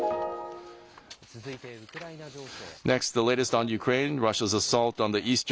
続いてウクライナ情勢。